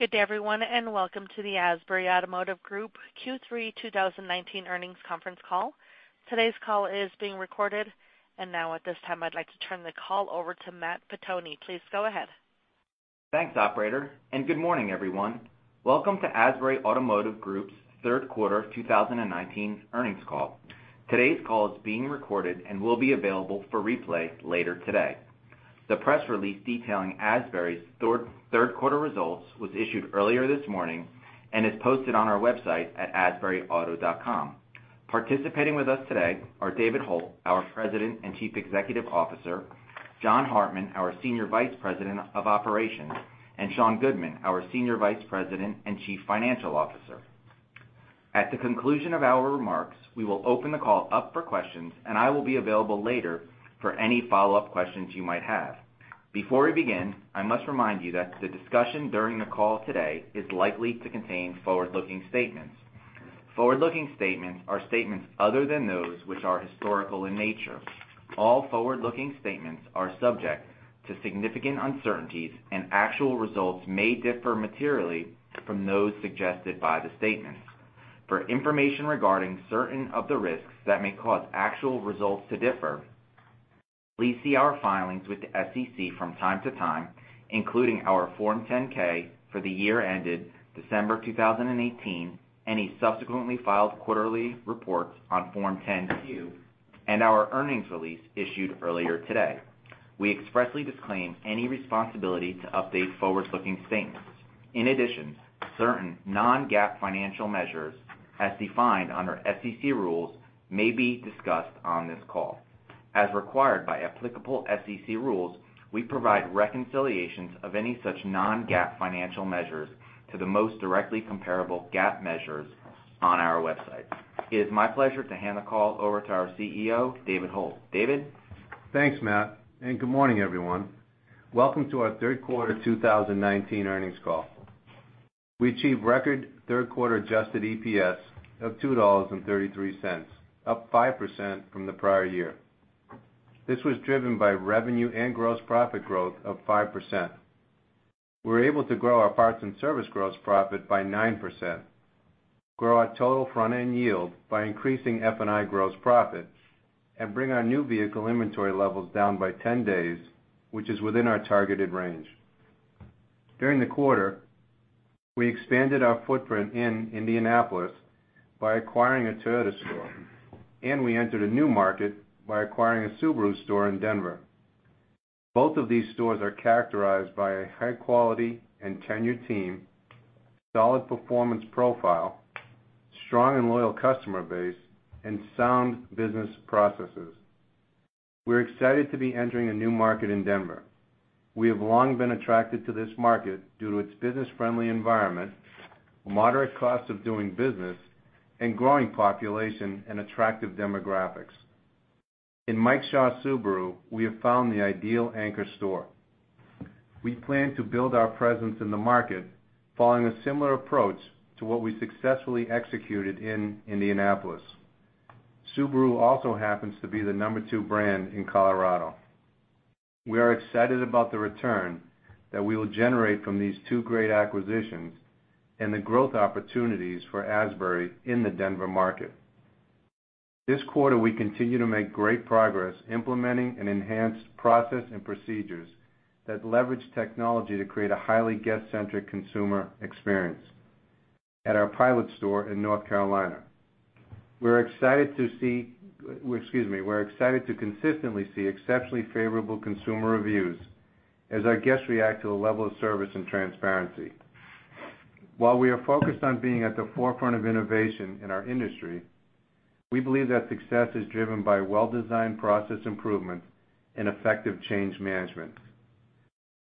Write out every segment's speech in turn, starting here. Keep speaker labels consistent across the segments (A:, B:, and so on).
A: Good day everyone, welcome to the Asbury Automotive Group Q3 2019 earnings conference call. Today's call is being recorded. Now at this time, I'd like to turn the call over to Matt Pettoni. Please go ahead.
B: Thanks, operator, and good morning, everyone. Welcome to Asbury Automotive Group's third quarter 2019 earnings call. Today's call is being recorded and will be available for replay later today. The press release detailing Asbury's third quarter results was issued earlier this morning and is posted on our website at asburyauto.com. Participating with us today are David Hult, our President and Chief Executive Officer, John Hartman, our Senior Vice President of Operations, and Sean Goodman, our Senior Vice President and Chief Financial Officer. At the conclusion of our remarks, we will open the call up for questions, and I will be available later for any follow-up questions you might have. Before we begin, I must remind you that the discussion during the call today is likely to contain forward-looking statements. Forward-looking statements are statements other than those which are historical in nature. All forward-looking statements are subject to significant uncertainties, and actual results may differ materially from those suggested by the statements. For information regarding certain of the risks that may cause actual results to differ, please see our filings with the SEC from time to time, including our Form 10-K for the year ended December 2018, any subsequently filed quarterly reports on Form 10-Q, and our earnings release issued earlier today. We expressly disclaim any responsibility to update forward-looking statements. In addition, certain non-GAAP financial measures, as defined under SEC rules, may be discussed on this call. As required by applicable SEC rules, we provide reconciliations of any such non-GAAP financial measures to the most directly comparable GAAP measures on our website. It is my pleasure to hand the call over to our CEO, David Hult. David?
C: Thanks, Matt. Good morning, everyone. Welcome to our third quarter 2019 earnings call. We achieved record third quarter adjusted EPS of $2.33, up 5% from the prior year. This was driven by revenue and gross profit growth of 5%. We were able to grow our parts and service gross profit by 9%, grow our total front-end yield by increasing F&I gross profit, and bring our new vehicle inventory levels down by 10 days, which is within our targeted range. During the quarter, we expanded our footprint in Indianapolis by acquiring a Toyota store, and we entered a new market by acquiring a Subaru store in Denver. Both of these stores are characterized by a high-quality and tenured team, solid performance profile, strong and loyal customer base, and sound business processes. We're excited to be entering a new market in Denver. We have long been attracted to this market due to its business-friendly environment, moderate cost of doing business, and growing population and attractive demographics. In Mike Shaw Subaru, we have found the ideal anchor store. We plan to build our presence in the market following a similar approach to what we successfully executed in Indianapolis. Subaru also happens to be the number two brand in Colorado. We are excited about the return that we will generate from these two great acquisitions and the growth opportunities for Asbury in the Denver market. This quarter, we continue to make great progress implementing an enhanced process and procedures that leverage technology to create a highly guest-centric consumer experience at our pilot store in North Carolina. We're excited to consistently see exceptionally favorable consumer reviews as our guests react to the level of service and transparency. While we are focused on being at the forefront of innovation in our industry, we believe that success is driven by well-designed process improvement and effective change management.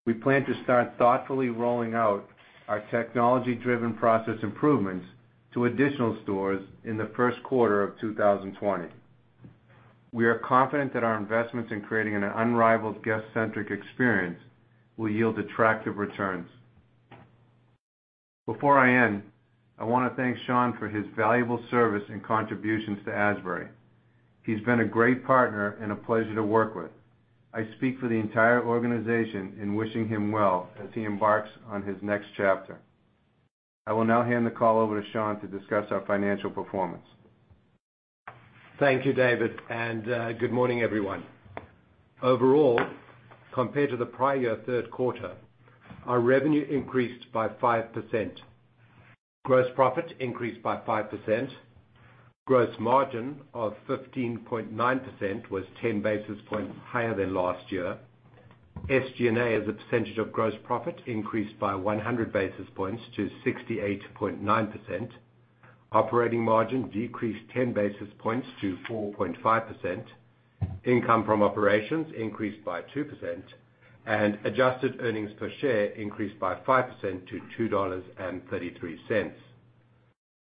C: We plan to start thoughtfully rolling out our technology-driven process improvements to additional stores in the first quarter of 2020. We are confident that our investments in creating an unrivaled guest-centric experience will yield attractive returns. Before I end, I want to thank Sean for his valuable service and contributions to Asbury. He's been a great partner and a pleasure to work with. I speak for the entire organization in wishing him well as he embarks on his next chapter. I will now hand the call over to Sean to discuss our financial performance.
D: Thank you, David, and good morning, everyone. Overall, compared to the prior year third quarter, our revenue increased by 5%. Gross profit increased by 5%. Gross margin of 15.9% was 10 basis points higher than last year. SG&A as a percentage of gross profit increased by 100 basis points to 68.9%. Operating margin decreased 10 basis points to 4.5%. Income from operations increased by 2%, and adjusted earnings per share increased by 5% to $2.33.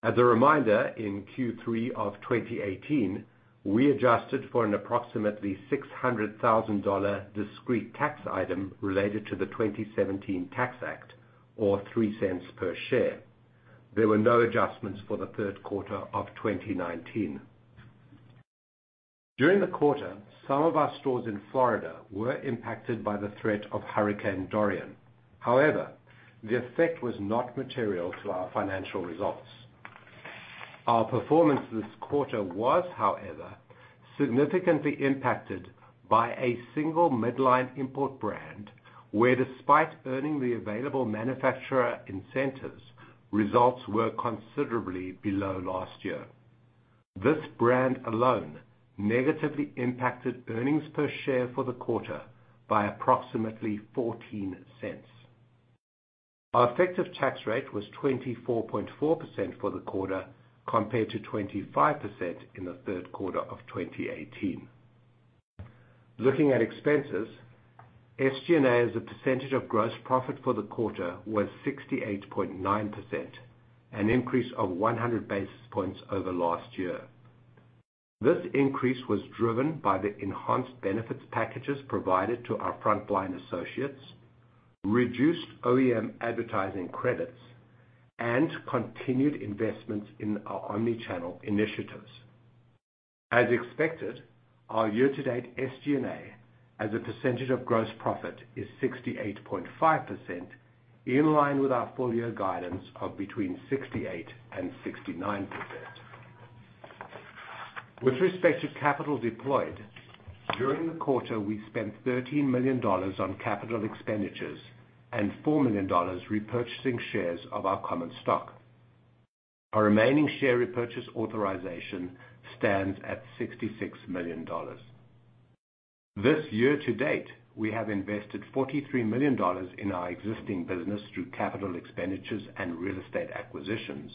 D: As a reminder, in Q3 of 2018, we adjusted for an approximately $600,000 discrete tax item related to the 2017 Tax Act, or $0.03 per share. There were no adjustments for the third quarter of 2019. During the quarter, some of our stores in Florida were impacted by the threat of Hurricane Dorian. However, the effect was not material to our financial results. Our performance this quarter was, however, significantly impacted by a single midline import brand, where despite earning the available manufacturer incentives, results were considerably below last year. This brand alone negatively impacted earnings per share for the quarter by approximately $0.14. Our effective tax rate was 24.4% for the quarter, compared to 25% in the third quarter of 2018. Looking at expenses, SG&A as a percentage of gross profit for the quarter was 68.9%, an increase of 100 basis points over last year. This increase was driven by the enhanced benefits packages provided to our frontline associates, reduced OEM advertising credits, and continued investments in our omni-channel initiatives. As expected, our year-to-date SG&A as a percentage of gross profit is 68.5%, in line with our full year guidance of between 68% and 69%. With respect to capital deployed, during the quarter, we spent $13 million on capital expenditures and $4 million repurchasing shares of our common stock. Our remaining share repurchase authorization stands at $66 million. This year to date, we have invested $43 million in our existing business through capital expenditures and real estate acquisitions,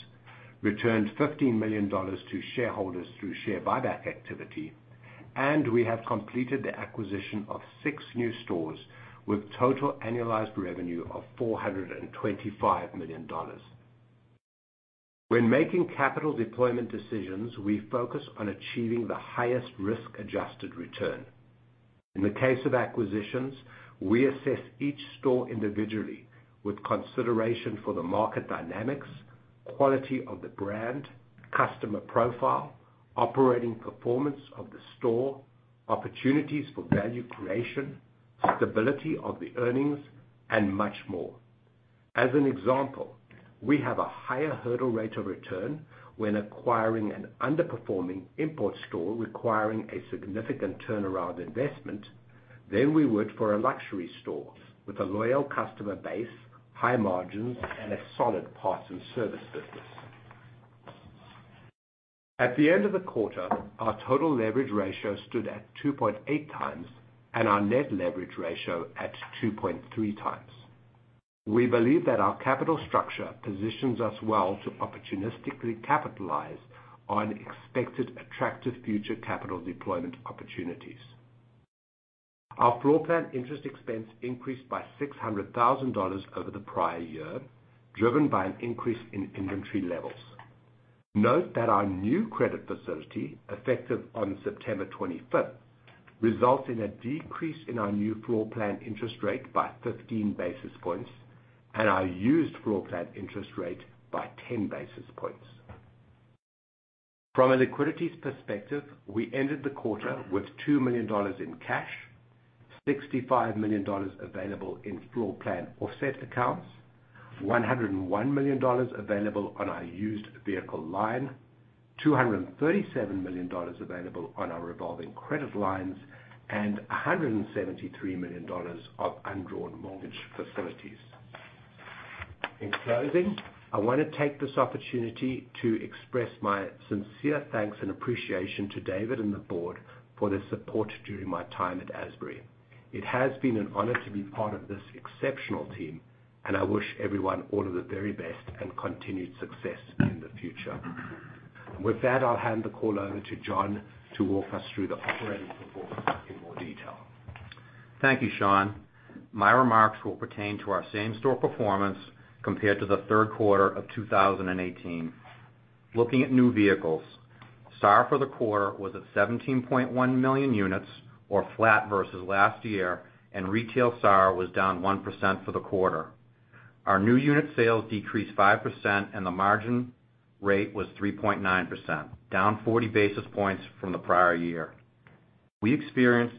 D: returned $15 million to shareholders through share buyback activity, and we have completed the acquisition of six new stores with total annualized revenue of $425 million. When making capital deployment decisions, we focus on achieving the highest risk-adjusted return. In the case of acquisitions, we assess each store individually with consideration for the market dynamics, quality of the brand, customer profile, operating performance of the store, opportunities for value creation, stability of the earnings, and much more. As an example, we have a higher hurdle rate of return when acquiring an underperforming import store requiring a significant turnaround investment than we would for a luxury store with a loyal customer base, high margins, and a solid parts and service business. At the end of the quarter, our total leverage ratio stood at 2.8 times, and our net leverage ratio at 2.3 times. We believe that our capital structure positions us well to opportunistically capitalize on expected attractive future capital deployment opportunities. Our floor plan interest expense increased by $600,000 over the prior year, driven by an increase in inventory levels. Note that our new credit facility, effective on September 25th, results in a decrease in our new floor plan interest rate by 15 basis points and our used floor plan interest rate by 10 basis points. From a liquidity perspective, we ended the quarter with $2 million in cash, $65 million available in floor plan offset accounts, $101 million available on our used vehicle line, $237 million available on our revolving credit lines, and $173 million of undrawn mortgage facilities. In closing, I want to take this opportunity to express my sincere thanks and appreciation to David and the board for their support during my time at Asbury. It has been an honor to be part of this exceptional team, and I wish everyone all of the very best and continued success in the future. With that, I'll hand the call over to John to walk us through the operating report in more detail.
E: Thank you, Sean. My remarks will pertain to our same store performance compared to the third quarter of 2018. Looking at new vehicles, SAR for the quarter was at 17.1 million units or flat versus last year, and retail SAR was down 1% for the quarter. Our new unit sales decreased 5% and the margin rate was 3.9%, down 40 basis points from the prior year. We experienced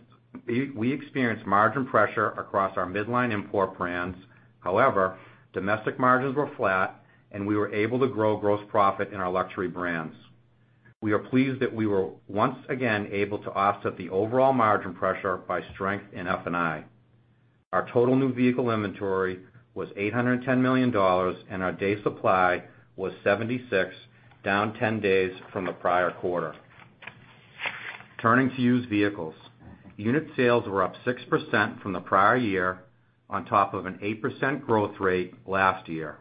E: margin pressure across our midline import brands. Domestic margins were flat and we were able to grow gross profit in our luxury brands. We are pleased that we were once again able to offset the overall margin pressure by strength in F&I. Our total new vehicle inventory was $810 million, and our day supply was 76, down 10 days from the prior quarter. Turning to used vehicles. Unit sales were up 6% from the prior year on top of an 8% growth rate last year.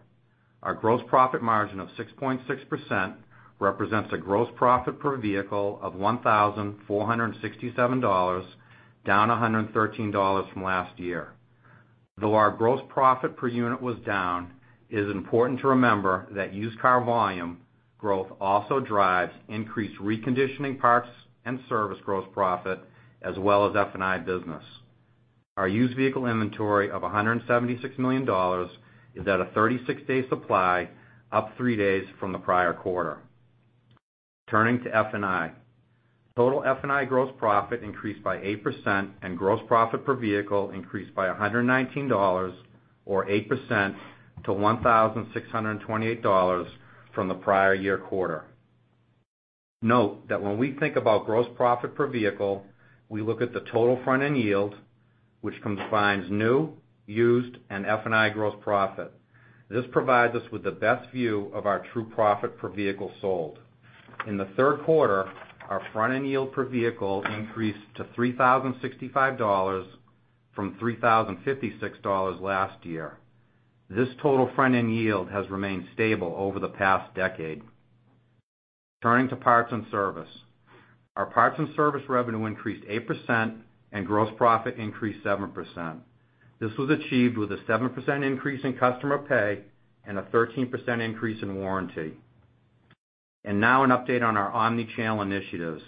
E: Our gross profit margin of 6.6% represents a gross profit per vehicle of $1,467, down $113 from last year. Though our gross profit per unit was down, it is important to remember that used car volume growth also drives increased reconditioning parts and service gross profit as well as F&I business. Our used vehicle inventory of $176 million is at a 36-day supply, up three days from the prior quarter. Turning to F&I. Total F&I gross profit increased by 8%, and gross profit per vehicle increased by $119, or 8%, to $1,628 from the prior year quarter. Note that when we think about gross profit per vehicle, we look at the total front-end yield, which combines new, used, and F&I gross profit. This provides us with the best view of our true profit per vehicle sold. In the third quarter, our front-end yield per vehicle increased to $3,065 from $3,056 last year. This total front-end yield has remained stable over the past decade. Turning to parts and service. Our parts and service revenue increased 8%, and gross profit increased 7%. This was achieved with a 7% increase in customer pay and a 13% increase in warranty. Now an update on our omni-channel initiatives.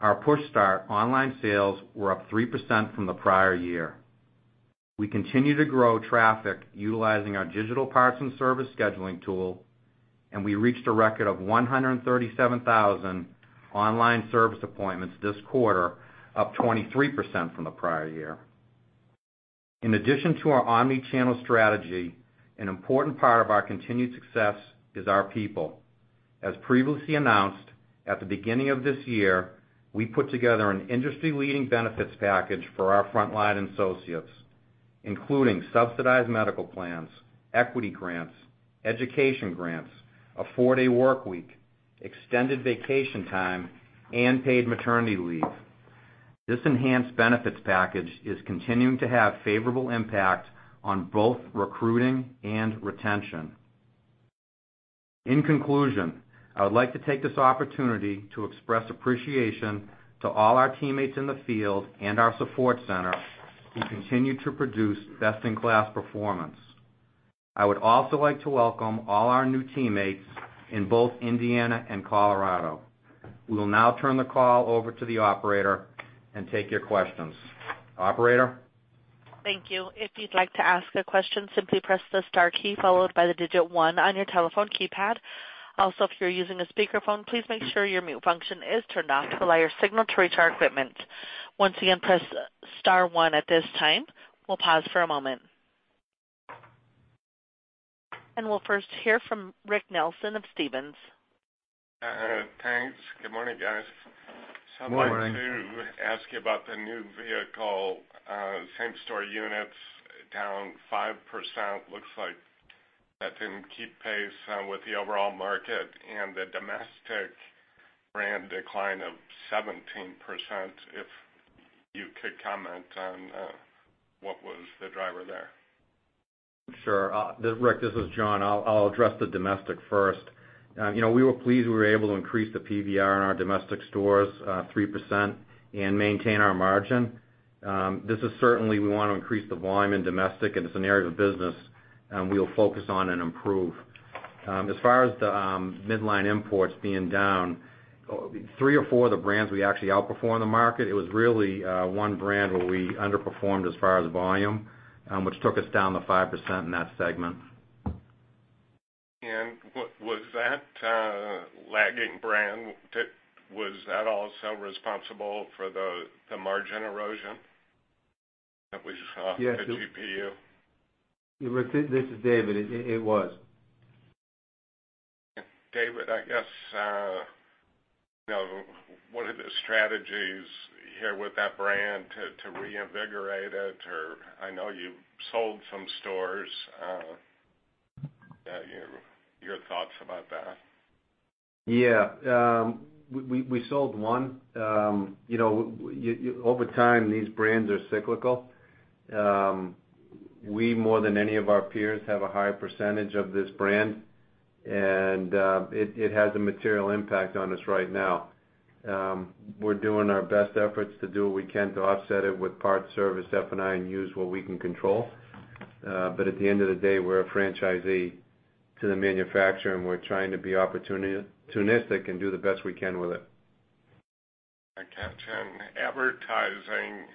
E: Our PushStart online sales were up 3% from the prior year. We continue to grow traffic utilizing our digital parts and service scheduling tool, and we reached a record of 137,000 online service appointments this quarter, up 23% from the prior year. In addition to our omni-channel strategy, an important part of our continued success is our people. As previously announced, at the beginning of this year, we put together an industry-leading benefits package for our frontline associates, including subsidized medical plans, equity grants, education grants, a four-day work week, extended vacation time, and paid maternity leave. This enhanced benefits package is continuing to have favorable impact on both recruiting and retention. In conclusion, I would like to take this opportunity to express appreciation to all our teammates in the field and our support center, who continue to produce best-in-class performance. I would also like to welcome all our new teammates in both Indiana and Colorado. We will now turn the call over to the operator and take your questions. Operator?
A: Thank you. If you'd like to ask a question, simply press the star key followed by the digit one on your telephone keypad. Also, if you're using a speakerphone, please make sure your mute function is turned off to allow your signal to reach our equipment. Once again, press star one at this time. We'll pause for a moment. We'll first hear from Rick Nelson of Stephens.
F: Thanks. Good morning, guys.
E: Good morning.
F: I'd like to ask you about the new vehicle, same-store units down 5%. Looks like that didn't keep pace with the overall market and the domestic brand decline of 17%, if you could comment on what was the driver there?
E: Sure. Rick, this is John. I'll address the domestic first. We were pleased we were able to increase the PVR in our domestic stores 3% and maintain our margin. This is certainly we want to increase the volume in domestic, and it's an area of the business we'll focus on and improve. As far as the midline imports being down, three or four of the brands we actually outperformed the market. It was really one brand where we underperformed as far as volume, which took us down the 5% in that segment.
F: Was that lagging brand, was that also responsible for the margin erosion that we saw?
E: Yes
F: at GPU?
C: Rick, this is David. It was.
F: David, I guess, what are the strategies here with that brand to reinvigorate it? I know you've sold some stores. Your thoughts about that?
C: Yeah. We sold one. Over time, these brands are cyclical. We, more than any of our peers, have a higher percentage of this brand, and it has a material impact on us right now. We're doing our best efforts to do what we can to offset it with parts, service, F&I, and used, what we can control. At the end of the day, we're a franchisee to the manufacturer, and we're trying to be opportunistic and do the best we can with it.
F: I got you. Advertising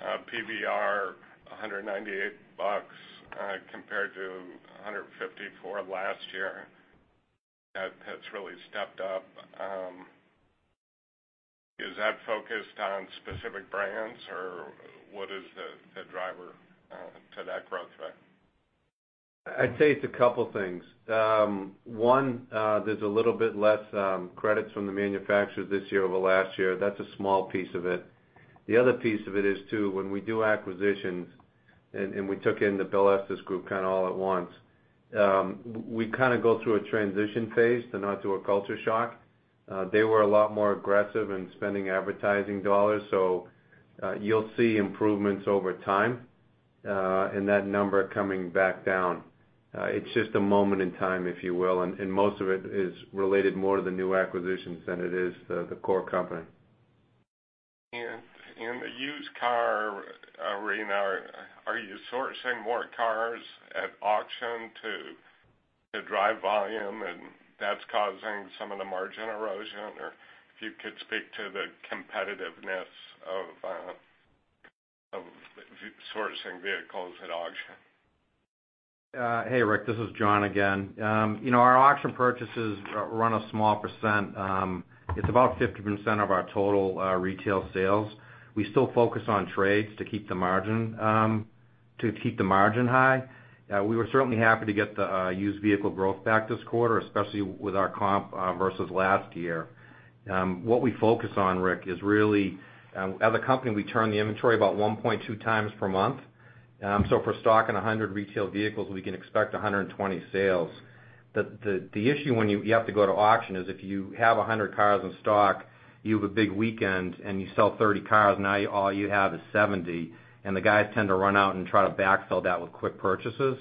F: PVR $198 compared to $154 last year. That's really stepped up. Is that focused on specific brands, or what is the driver to that growth rate?
C: I'd say it's a couple things. There's a little bit less credits from the manufacturers this year over last year. That's a small piece of it. The other piece of it is, too, when we do acquisitions, and we took in the Bill Estes Auto Group kind of all at once, we go through a transition phase to not to a culture shock. They were a lot more aggressive in spending advertising dollars, you'll see improvements over time and that number coming back down. It's just a moment in time, if you will, most of it is related more to the new acquisitions than it is the core company.
F: In the used car arena, are you sourcing more cars at auction to drive volume and that's causing some of the margin erosion? If you could speak to the competitiveness of sourcing vehicles at auction.
E: Hey, Rick, this is John again. Our auction purchases run a small %. It is about 50% of our total retail sales. We still focus on trades to keep the margin high. We were certainly happy to get the used vehicle growth back this quarter, especially with our comp versus last year. What we focus on, Rick, is really, as a company, we turn the inventory about 1.2 times per month. For stock and 100 retail vehicles, we can expect 120 sales. The issue when you have to go to auction is if you have 100 cars in stock, you have a big weekend and you sell 30 cars, now all you have is 70. The guys tend to run out and try to backfill that with quick purchases.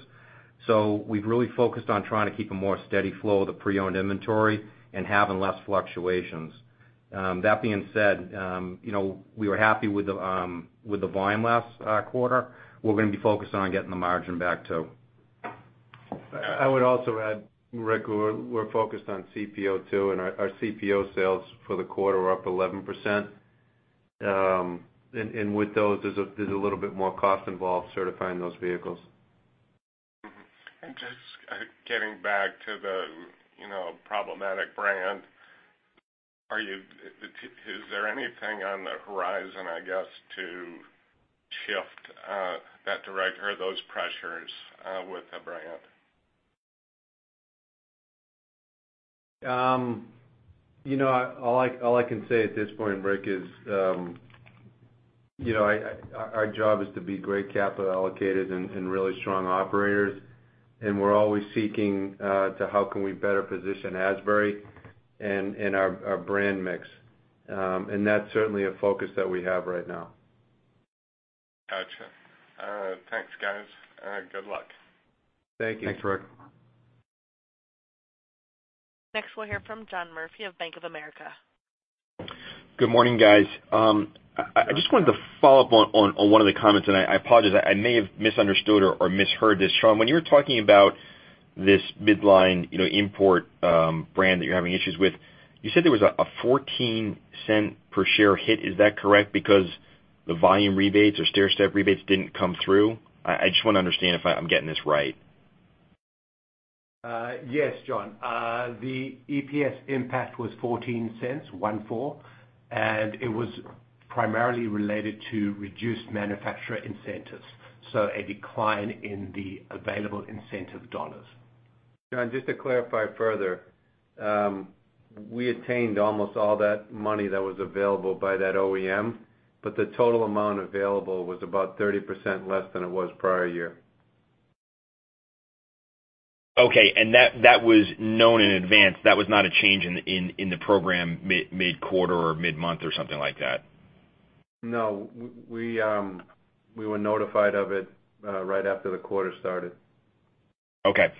E: We have really focused on trying to keep a more steady flow of the pre-owned inventory and having less fluctuations. That being said, we were happy with the volume last quarter. We're going to be focused on getting the margin back, too.
C: I would also add, Rick, we're focused on CPO, too, and our CPO sales for the quarter were up 11%. With those, there's a little bit more cost involved certifying those vehicles.
F: Just getting back to the problematic brand, is there anything on the horizon, I guess, to shift that direction or those pressures with the brand?
C: All I can say at this point, Rick, is our job is to be great capital allocated and really strong operators, and we're always seeking to how can we better position Asbury and our brand mix. That's certainly a focus that we have right now.
F: Got you. Thanks, guys. Good luck.
C: Thank you.
E: Thanks, Rick.
A: Next, we'll hear from John Murphy of Bank of America.
G: Good morning, guys. I just wanted to follow up on one of the comments, and I apologize, I may have misunderstood or misheard this. Sean, when you were talking about this midline import brand that you're having issues with, you said there was a $0.14 per share hit. Is that correct? The volume rebates or stairstep rebates didn't come through? I just want to understand if I'm getting this right.
D: Yes, John. The EPS impact was $0.14, one four, and it was primarily related to reduced manufacturer incentives, so a decline in the available incentive dollars.
C: John, just to clarify further, we attained almost all that money that was available by that OEM, but the total amount available was about 30% less than it was prior year.
G: Okay. That was known in advance. That was not a change in the program mid-quarter or mid-month or something like that?
C: No. We were notified of it right after the quarter started.
G: Okay.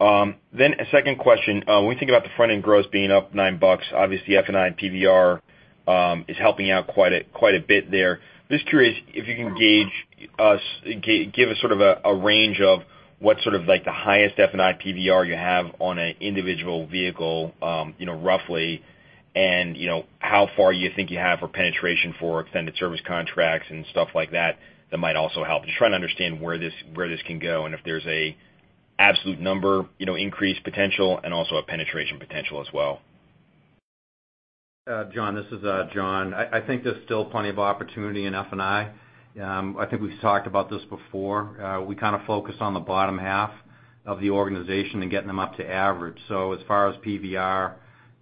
G: A second question. When we think about the front-end gross being up $9, obviously F&I and PVR is helping out quite a bit there. Just curious if you can gauge us, give us sort of a range of what sort of the highest F&I PVR you have on an individual vehicle, roughly, and how far you think you have for penetration for extended service contracts and stuff like that might also help. Just trying to understand where this can go and if there's an absolute number increase potential and also a penetration potential as well.
E: John, this is John. I think there's still plenty of opportunity in F&I. I think we've talked about this before. We kind of focus on the bottom half of the organization and getting them up to average. As far as PVR,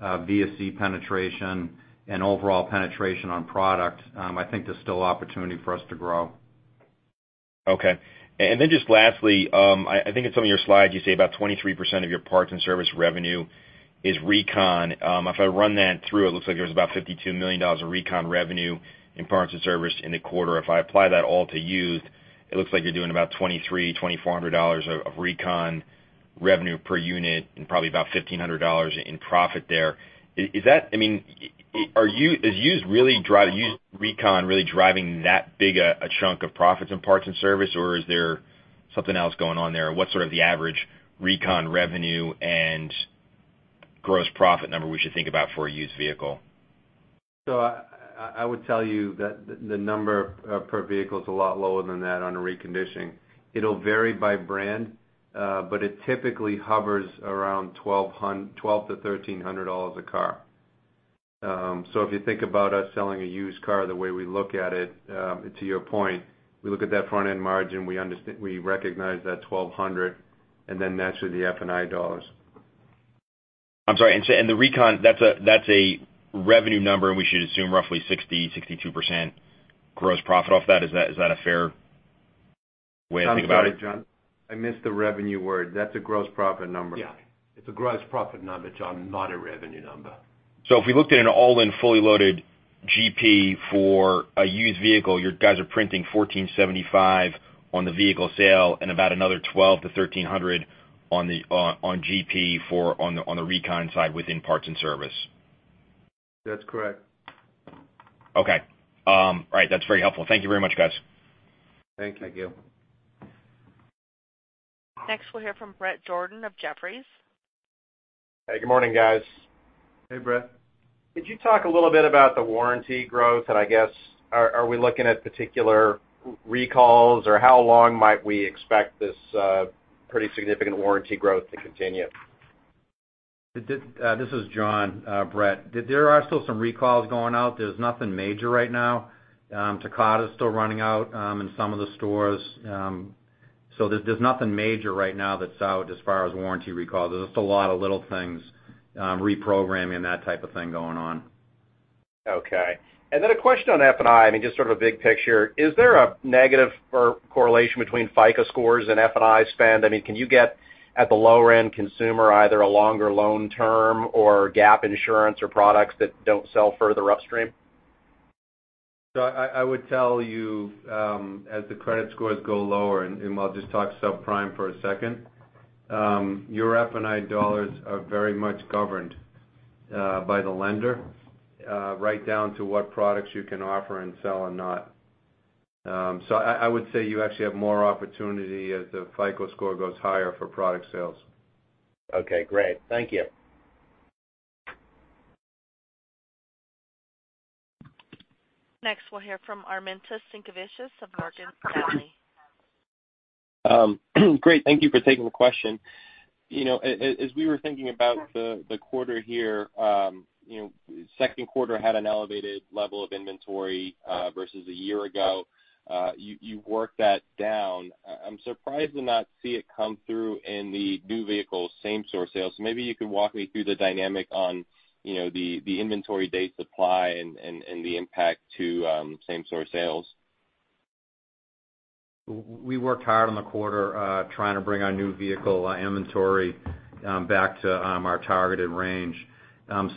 E: VSC penetration, and overall penetration on product, I think there's still opportunity for us to grow.
G: Okay. Just lastly, I think in some of your slides, you say about 23% of your parts and service revenue is recon. If I run that through, it looks like there was about $52 million of recon revenue in parts and service in the quarter. If I apply that all to used, it looks like you're doing about $2,300, $2,400 of recon revenue per unit and probably about $1,500 in profit there. Is used recon really driving that big a chunk of profits in parts and service, or is there something else going on there? What's sort of the average recon revenue and gross profit number we should think about for a used vehicle?
C: I would tell you that the number per vehicle is a lot lower than that on a reconditioning. It'll vary by brand. It typically hovers around $1,200-$1,300 a car. If you think about us selling a used car, the way we look at it, to your point, we look at that front-end margin, we recognize that $1,200, and then naturally, the F&I dollars.
G: I'm sorry, the recon, that's a revenue number, and we should assume roughly 60%, 62% gross profit off that. Is that a fair way to think about it?
C: I'm sorry, John. I missed the revenue word. That's a gross profit number.
D: Yeah. It's a gross profit number, John, not a revenue number.
G: If we looked at an all-in, fully loaded GP for a used vehicle, you guys are printing $1,475 on the vehicle sale and about another $1,200-$1,300 on GP on the recon side within parts and service.
C: That's correct.
G: Okay. All right. That's very helpful. Thank you very much, guys.
C: Thank you.
E: Thank you.
A: Next, we'll hear from Bret Jordan of Jefferies.
H: Hey, good morning, guys.
C: Hey, Bret.
H: Could you talk a little bit about the warranty growth, and I guess are we looking at particular recalls, or how long might we expect this pretty significant warranty growth to continue?
E: This is John. Bret, there are still some recalls going out. There's nothing major right now. Takata's still running out in some of the stores. There's nothing major right now that's out as far as warranty recalls. There's just a lot of little things, reprogramming, that type of thing going on.
H: Okay. A question on F&I. I mean, just sort of a big picture. Is there a negative correlation between FICO scores and F&I spend? I mean, can you get at the lower-end consumer, either a longer loan term or gap insurance or products that don't sell further upstream?
C: I would tell you, as the credit scores go lower, and I'll just talk subprime for a second, your F&I dollars are very much governed by the lender right down to what products you can offer and sell or not. I would say you actually have more opportunity as the FICO score goes higher for product sales.
H: Okay, great. Thank you.
A: Next, we'll hear from Armintas Sinkevicius of Morgan Stanley.
I: Great. Thank you for taking the question. As we were thinking about the quarter here, second quarter had an elevated level of inventory versus a year ago. You worked that down. I'm surprised to not see it come through in the new vehicle same-store sales. Maybe you could walk me through the dynamic on the inventory day supply and the impact to same-store sales.
E: We worked hard on the quarter trying to bring our new vehicle inventory back to our targeted range.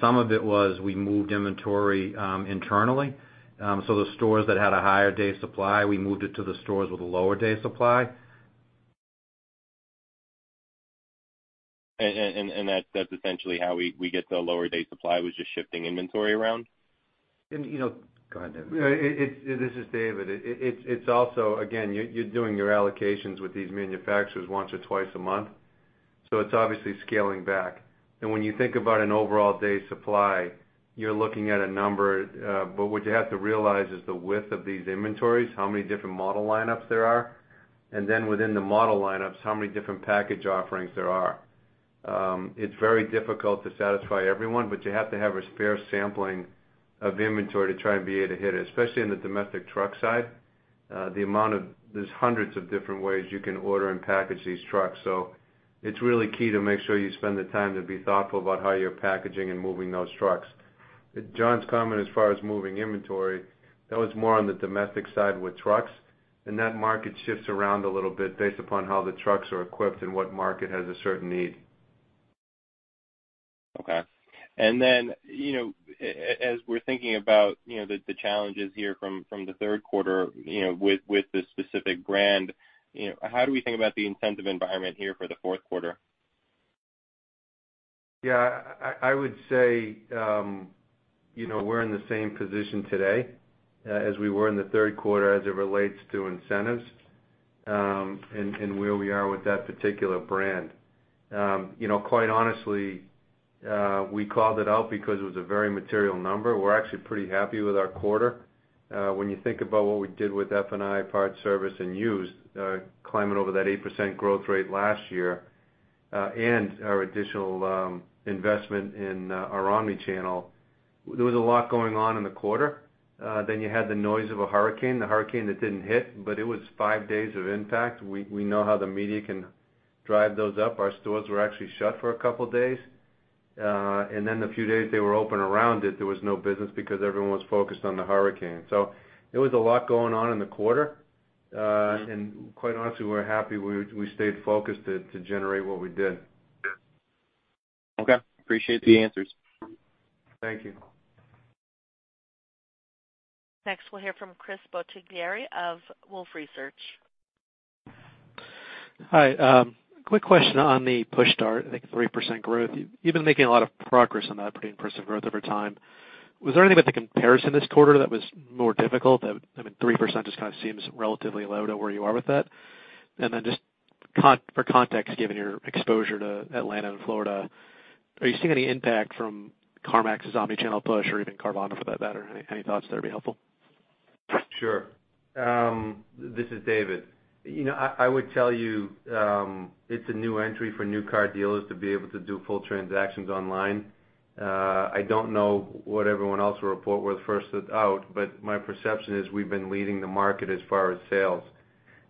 E: Some of it was we moved inventory internally. The stores that had a higher day supply, we moved it to the stores with a lower day supply.
I: That's essentially how we get to a lower day supply, was just shifting inventory around?
E: You know. Go ahead, David.
C: This is David. It's also, again, you're doing your allocations with these manufacturers once or twice a month. It's obviously scaling back. When you think about an overall day supply, you're looking at a number. What you have to realize is the width of these inventories, how many different model lineups there are, and then within the model lineups, how many different package offerings there are. It's very difficult to satisfy everyone, but you have to have a spare sampling of inventory to try and be able to hit it, especially on the domestic truck side. There's hundreds of different ways you can order and package these trucks, it's really key to make sure you spend the time to be thoughtful about how you're packaging and moving those trucks. John's comment as far as moving inventory, that was more on the domestic side with trucks. That market shifts around a little bit based upon how the trucks are equipped and what market has a certain need.
I: Okay. As we're thinking about the challenges here from the third quarter with the specific brand, how do we think about the incentive environment here for the fourth quarter?
C: Yeah, I would say we're in the same position today as we were in the third quarter as it relates to incentives and where we are with that particular brand. Quite honestly, we called it out because it was a very material number. We're actually pretty happy with our quarter. When you think about what we did with F&I parts service and used, climbing over that 8% growth rate last year, and our additional investment in our omni-channel, there was a lot going on in the quarter. You had the noise of a hurricane, the hurricane that didn't hit, but it was five days of impact. We know how the media can drive those up. Our stores were actually shut for a couple of days. The few days they were open around it, there was no business because everyone was focused on the hurricane. There was a lot going on in the quarter. Quite honestly, we're happy we stayed focused to generate what we did.
I: Okay. Appreciate the answers.
C: Thank you.
A: Next, we'll hear from Chris Bottiglieri of Wolfe Research.
J: Hi. Quick question on the Push Start, I think 3% growth. You've been making a lot of progress on that, pretty impressive growth over time. Was there anything about the comparison this quarter that was more difficult? I mean, 3% just kind of seems relatively low to where you are with that. Just for context, given your exposure to Atlanta and Florida, are you seeing any impact from CarMax's omni-channel push or even Carvana for that matter? Any thoughts there would be helpful.
C: Sure. This is David. I would tell you it's a new entry for new car dealers to be able to do full transactions online. I don't know what everyone else will report. We're the first out, but my perception is we've been leading the market as far as sales.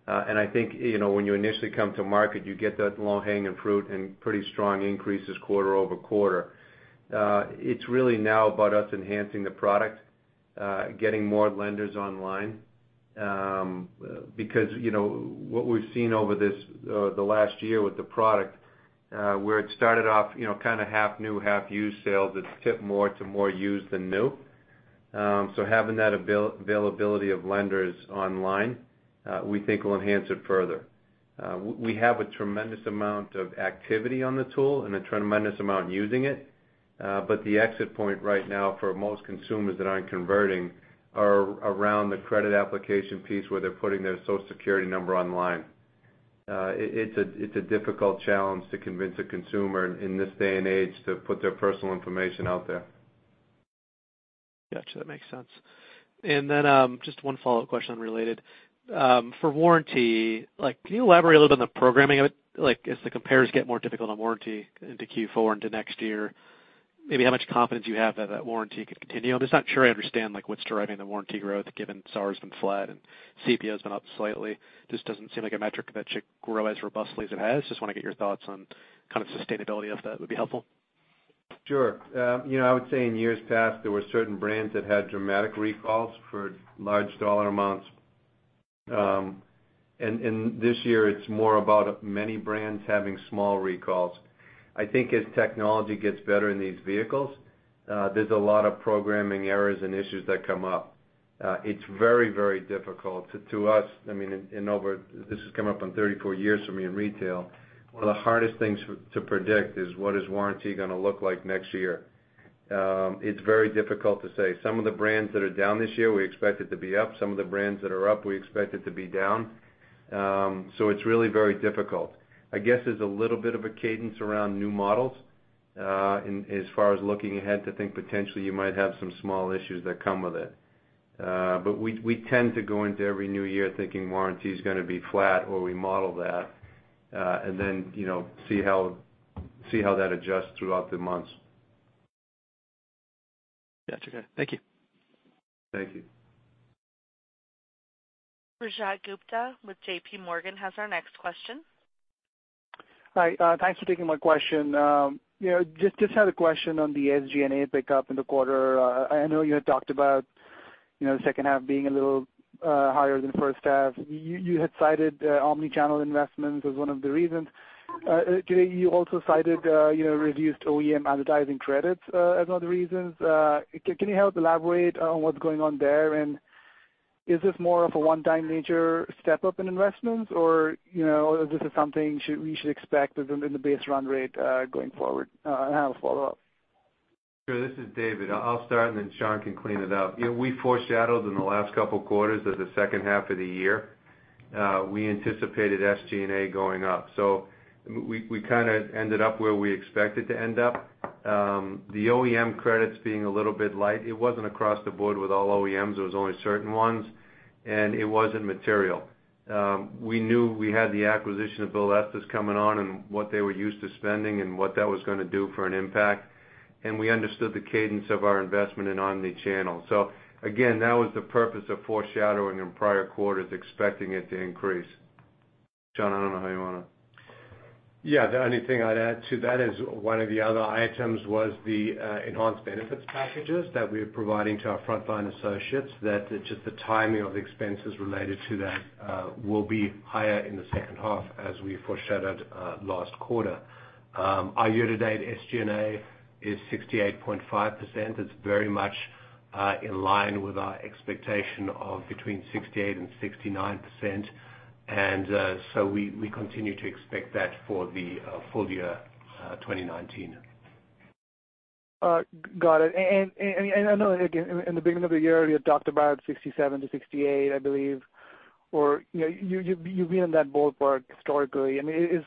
C: I think, when you initially come to market, you get that low-hanging fruit and pretty strong increases quarter-over-quarter. It's really now about us enhancing the product, getting more lenders online. What we've seen over the last year with the product, where it started off kind of half new, half used sales, it's tipped more to more used than new. Having that availability of lenders online, we think will enhance it further. We have a tremendous amount of activity on the tool and a tremendous amount using it. The exit point right now for most consumers that aren't converting are around the credit application piece where they're putting their Social Security number online. It's a difficult challenge to convince a consumer in this day and age to put their personal information out there.
J: Got you. That makes sense. Then just one follow-up question related. For warranty, can you elaborate a little bit on the programming of it? As the compares get more difficult on warranty into Q4 into next year, maybe how much confidence you have that that warranty could continue? I'm just not sure I understand what's driving the warranty growth, given SAR's been flat and CPO has been up slightly. Just doesn't seem like a metric that should grow as robustly as it has. Just want to get your thoughts on kind of sustainability of that would be helpful.
C: Sure. I would say in years past, there were certain brands that had dramatic recalls for large dollar amounts. This year, it's more about many brands having small recalls. I think as technology gets better in these vehicles, there's a lot of programming errors and issues that come up. It's very difficult to us, this has come up on 34 years for me in retail. One of the hardest things to predict is what is warranty going to look like next year. It's very difficult to say. Some of the brands that are down this year, we expect it to be up. Some of the brands that are up, we expect it to be down. It's really very difficult. I guess there's a little bit of a cadence around new models. As far as looking ahead to think potentially you might have some small issues that come with it. We tend to go into every new year thinking warranty is going to be flat or we model that, and then see how that adjusts throughout the months.
J: Got you. Thank you.
C: Thank you.
A: Rajat Gupta with JPMorgan has our next question.
K: Hi. Thanks for taking my question. Just had a question on the SG&A pickup in the quarter. I know you had talked about second half being a little higher than first half. You had cited omni-channel investments as one of the reasons. Today, you also cited reduced OEM advertising credits as one of the reasons. Can you help elaborate on what's going on there? Is this more of a one-time nature step up in investments, or this is something we should expect within the base run rate going forward? I have a follow-up.
C: Sure. This is David. I'll start and then Sean can clean it up. We foreshadowed in the last couple of quarters that the second half of the year, we anticipated SG&A going up. We kind of ended up where we expected to end up. The OEM credits being a little bit light. It wasn't across the board with all OEMs, it was only certain ones, and it wasn't material. We knew we had the acquisition of Bill Estes coming on and what they were used to spending and what that was going to do for an impact. We understood the cadence of our investment in omni-channel. Again, that was the purpose of foreshadowing in prior quarters, expecting it to increase. Sean, I don't know how you want to
D: Yeah, the only thing I'd add to that is one of the other items was the enhanced benefits packages that we're providing to our frontline associates that just the timing of the expenses related to that will be higher in the second half, as we foreshadowed last quarter. Our year-to-date SG&A is 68.5%. It's very much in line with our expectation of between 68% and 69%. We continue to expect that for the full year 2019.
K: Got it. I know, again, in the beginning of the year, you talked about 67-68, I believe, or you've been in that ballpark historically. Is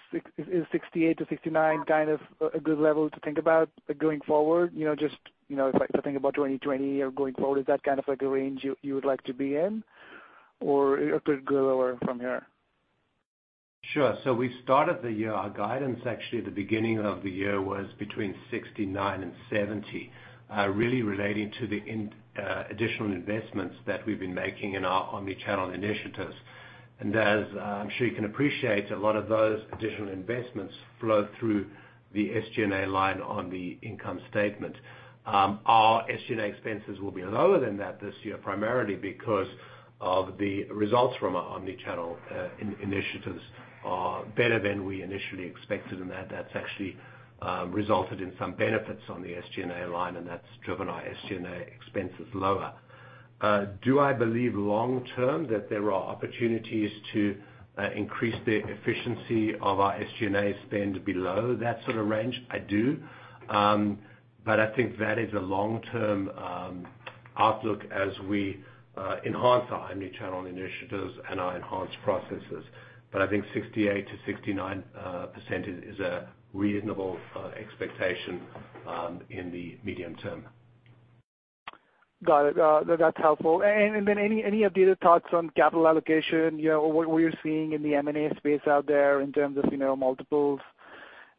K: 68-69 kind of a good level to think about going forward? Just if I think about 2020 or going forward, is that kind of like a range you would like to be in? It could go lower from here?
D: Sure. We started the year, our guidance actually the beginning of the year was between 69 and 70, really relating to the additional investments that we've been making in our omni-channel initiatives. As I'm sure you can appreciate, a lot of those additional investments flow through the SG&A line on the income statement. Our SG&A expenses will be lower than that this year, primarily because of the results from our omni-channel initiatives are better than we initially expected, and that's actually resulted in some benefits on the SG&A line, and that's driven our SG&A expenses lower. Do I believe long term that there are opportunities to increase the efficiency of our SG&A spend below that sort of range? I do. I think that is a long-term outlook as we enhance our omni-channel initiatives and our enhanced processes. I think 68%-69% is a reasonable expectation in the medium term.
K: Got it. That's helpful. Then any updated thoughts on capital allocation? What you're seeing in the M&A space out there in terms of multiples?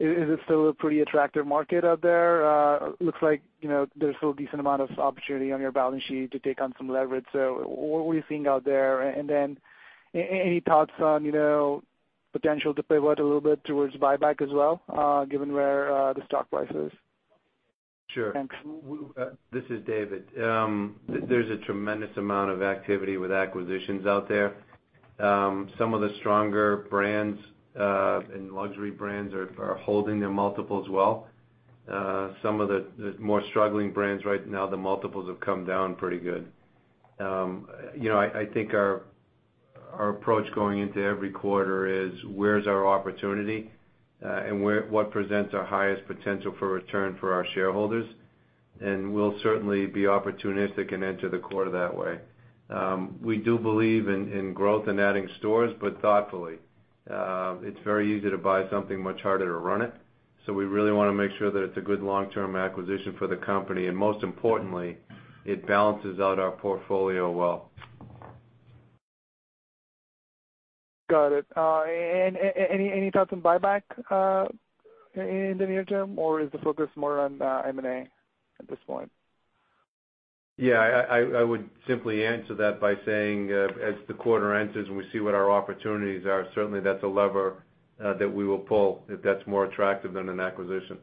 K: Is it still a pretty attractive market out there? Looks like there's still a decent amount of opportunity on your balance sheet to take on some leverage. What are we seeing out there? Then any thoughts on potential to pivot a little bit towards buyback as well given where the stock price is?
C: Sure.
K: Thanks.
C: There's a tremendous amount of activity with acquisitions out there. Some of the stronger brands and luxury brands are holding their multiples well. Some of the more struggling brands right now, the multiples have come down pretty good. I think our approach going into every quarter is: where's our opportunity? What presents our highest potential for return for our shareholders? We'll certainly be opportunistic and enter the quarter that way. We do believe in growth and adding stores, but thoughtfully. It's very easy to buy something, much harder to run it. We really want to make sure that it's a good long-term acquisition for the company, and most importantly, it balances out our portfolio well.
K: Got it. Any thoughts on buyback in the near term, or is the focus more on M&A at this point?
C: Yeah. I would simply answer that by saying as the quarter ends and we see what our opportunities are, certainly that's a lever that we will pull if that's more attractive than an acquisition.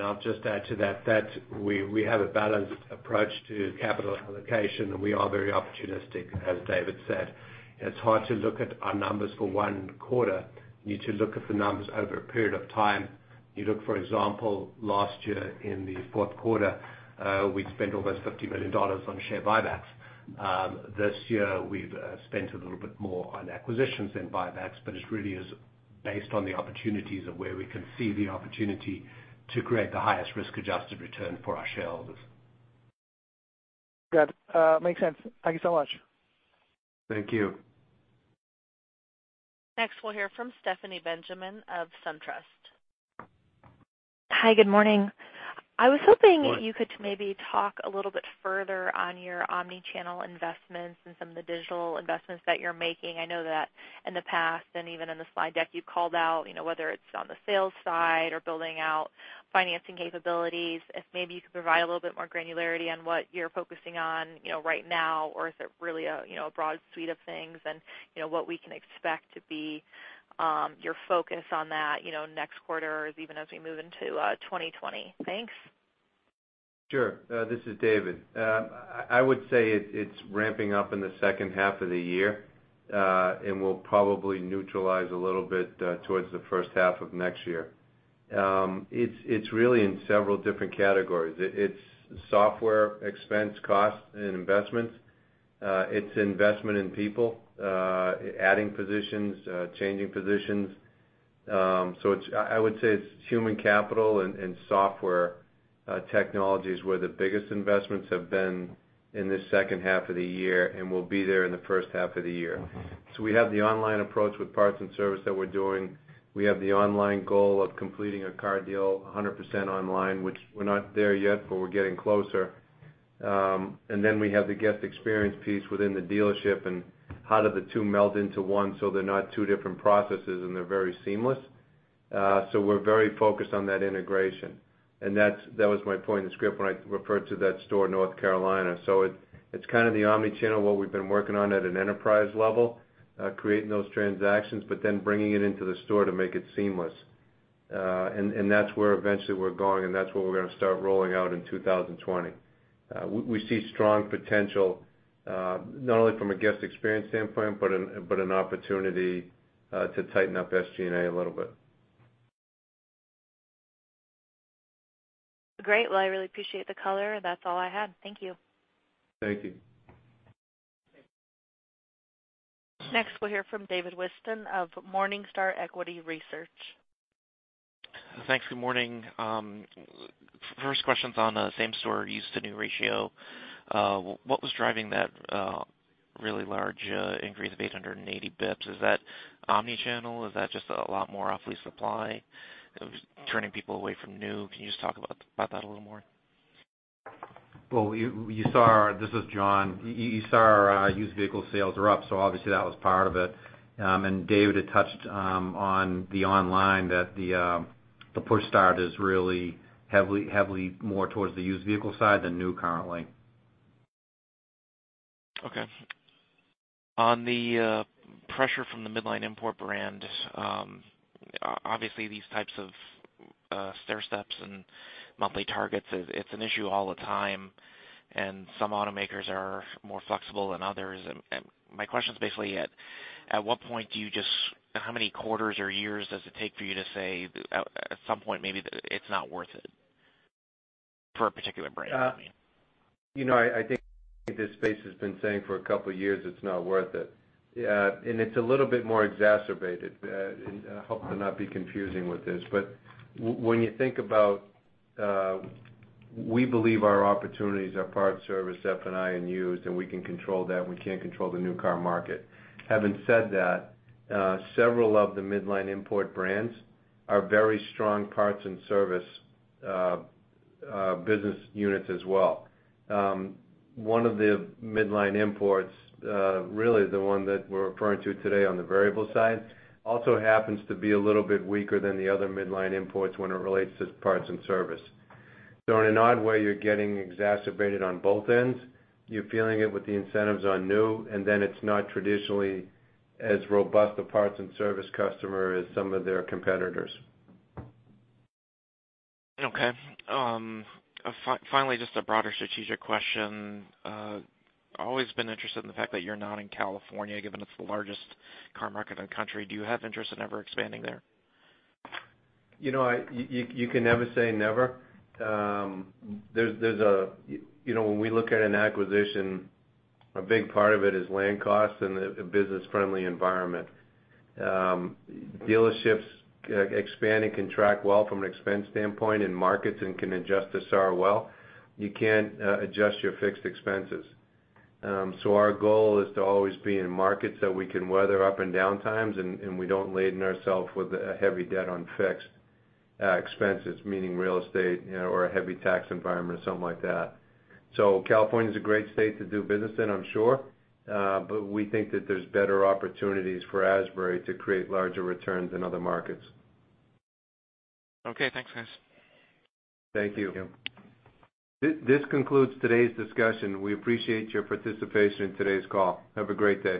D: I'll just add to that, we have a balanced approach to capital allocation, and we are very opportunistic, as David said. It's hard to look at our numbers for one quarter. You need to look at the numbers over a period of time. For example, last year in the fourth quarter, we'd spent almost $50 million on share buybacks. This year, we've spent a little bit more on acquisitions than buybacks. It really is based on the opportunities and where we can see the opportunity to create the highest risk-adjusted return for our shareholders.
K: Good. Makes sense. Thank you so much.
C: Thank you.
A: Next, we'll hear from Stephanie Benjamin of SunTrust.
L: Hi, good morning.
C: Good morning.
L: I was hoping you could maybe talk a little bit further on your omni-channel investments and some of the digital investments that you're making. I know that in the past, and even in the slide deck, you called out whether it's on the sales side or building out financing capabilities. If maybe you could provide a little bit more granularity on what you're focusing on right now, or is it really a broad suite of things and what we can expect to be your focus on that next quarter or even as we move into 2020. Thanks.
C: Sure. This is David. I would say it's ramping up in the second half of the year, and will probably neutralize a little bit towards the first half of next year. It's really in several different categories. It's software expense costs and investments. It's investment in people, adding positions, changing positions. I would say it's human capital and software technologies where the biggest investments have been in this second half of the year and will be there in the first half of the year. We have the online approach with parts and service that we're doing. We have the online goal of completing a car deal 100% online, which we're not there yet, but we're getting closer. We have the guest experience piece within the dealership and how do the two meld into one so they're not two different processes and they're very seamless. We're very focused on that integration. That was my point in the script when I referred to that store in North Carolina. It's kind of the omni-channel, what we've been working on at an enterprise level, creating those transactions, but then bringing it into the store to make it seamless. That's where eventually we're going, and that's what we're going to start rolling out in 2020. We see strong potential, not only from a guest experience standpoint, but an opportunity to tighten up SG&A a little bit.
L: Great. Well, I really appreciate the color. That's all I had. Thank you.
C: Thank you.
A: Next, we'll hear from David Whiston of Morningstar Equity Research.
M: Thanks. Good morning. First question's on same store used to new ratio. What was driving that really large increase of 880 basis points? Is that omni-channel? Is that just a lot more off lease supply, turning people away from new? Can you just talk about that a little more?
E: Well, this is John. You saw our used vehicle sales are up, so obviously that was part of it. David had touched on the online that the Push Start is really heavily more towards the used vehicle side than new currently.
M: Okay. On the pressure from the midline import brand, obviously these types of stairsteps and monthly targets, it's an issue all the time, and some automakers are more flexible than others. My question is basically, at what point how many quarters or years does it take for you to say, at some point maybe it's not worth it for a particular brand, I mean?
C: I think this space has been saying for a couple of years it's not worth it. It's a little bit more exacerbated, I hope to not be confusing with this, when you think about, we believe our opportunities are parts, service, F&I, and used, and we can control that. We can't control the new car market. Having said that, several of the midline import brands are very strong parts and service business units as well. One of the midline imports, really the one that we're referring to today on the variable side, also happens to be a little bit weaker than the other midline imports when it relates to parts and service. In an odd way, you're getting exacerbated on both ends. You're feeling it with the incentives on new, and then it's not traditionally as robust a parts and service customer as some of their competitors.
M: Okay. Finally, just a broader strategic question. Always been interested in the fact that you're not in California, given it's the largest car market in the country. Do you have interest in ever expanding there?
C: You can never say never. When we look at an acquisition, a big part of it is land costs and a business-friendly environment. Dealerships expand and contract well from an expense standpoint in markets and can adjust to SAR well. You can't adjust your fixed expenses. Our goal is to always be in markets that we can weather up and down times, and we don't laden ourself with a heavy debt on fixed expenses, meaning real estate or a heavy tax environment or something like that. California's a great state to do business in, I'm sure. We think that there's better opportunities for Asbury to create larger returns in other markets.
M: Okay, thanks guys.
C: Thank you.
D: Thank you.
C: This concludes today's discussion. We appreciate your participation in today's call. Have a great day.